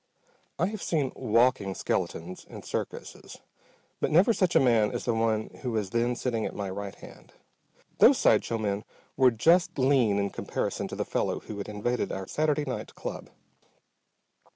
I have seen "walking skeletons" in circuses, but never such a man as the one who was then sitting at my right hand. Those side show men were just lean in comparison to the fellow who had invaded our Saturday night club.